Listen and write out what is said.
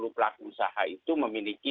pelaku usaha itu memiliki